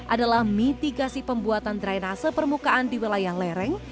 adalah mitigasi pembuatan drainase permukaan di wilayah lereng